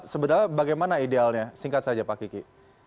sebenarnya bagaimana idealnya singkat saja pak kiki